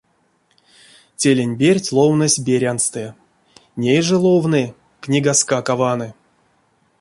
Телень перть ловнось беряньстэ, ней жо ловны — книгаскак а ваны.